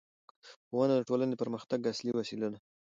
ښوونه د ټولنې د پرمختګ اصلي وسیله ده